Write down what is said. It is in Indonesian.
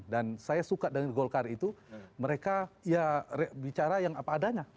dan saya suka dengan golkar itu mereka ya bicara yang apa adanya